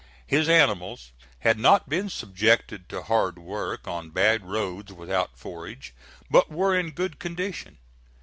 His animals had not been subjected to hard work on bad roads without forage, but were in good condition.